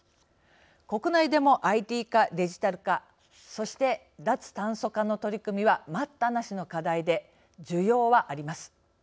国内でもＩＴ化・デジタル化そして脱炭素化の取り組みは待ったなしの課題で需要はあります。